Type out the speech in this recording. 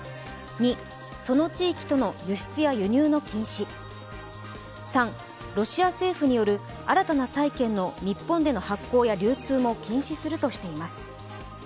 ２、その地域との輸出や輸入の禁止、３、ロシア政府による、新たな債権の発行や流通も禁止するとしています。